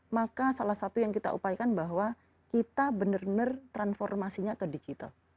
maka salah satu yang kita upayakan bahwa kita benar benar transformasinya ke digital